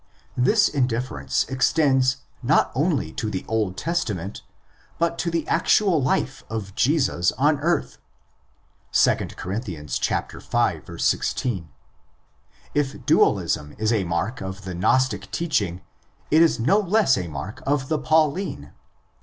This indifference extends not only to the Old Testament, but to the actual life of Jesus on earth (2 Cor. v.16). If dualism is a mark of the Gnostic teaching, it is no less a mark of the Pauline.